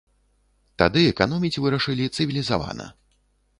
Тады эканоміць вырашылі цывілізавана.